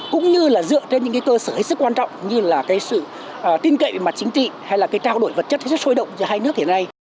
cũng như là dựa trên những cơ sở rất quan trọng như là sự tin cậy về mặt chính trị hay là trao đổi vật chất rất sôi động giữa hai nước hiện nay